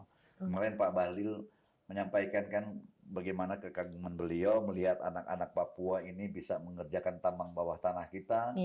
kemarin pak bahlil menyampaikan kan bagaimana kekagungan beliau melihat anak anak papua ini bisa mengerjakan tambang bawah tanah kita